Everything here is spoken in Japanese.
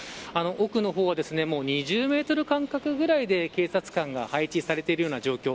奥の方は２０メートル間隔ぐらいで警察官が配置されている状況。